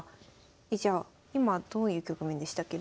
えじゃあ今どういう局面でしたっけ。